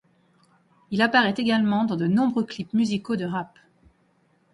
Il apparaît également dans de nombreux clips musicaux de rap.